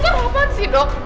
apaan sih dok